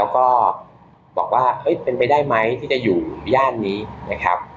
ก็บอกว่าเป็นไปได้ไหมที่จะอยู่ย่านนี้นะครับ